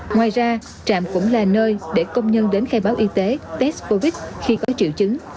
ngoài ra trạm cũng là nơi để công nhân đến khai báo y tế test covid khi có triệu chứng